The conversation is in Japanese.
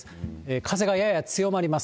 風がやや強まります。